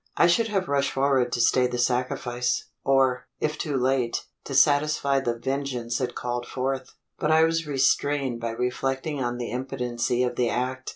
I should have rushed forward to stay the sacrifice, or, if too late, to satisfy the vengeance it called forth; but I was restrained by reflecting on the impotency of the act.